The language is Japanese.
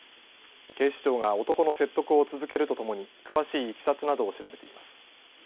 警視庁が男の説得を続けるとともに詳しいいきさつなどを調べています。